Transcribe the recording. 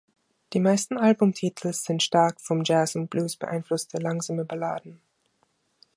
Die meisten Albumtitel sind stark von Jazz und Blues beeinflusste langsame Balladen.